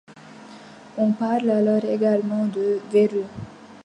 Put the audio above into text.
On parle alors également de verrue.